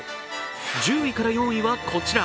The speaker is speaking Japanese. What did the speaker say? １０位から４位はこちら。